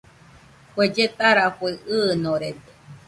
Kue lletarafue ɨɨnorede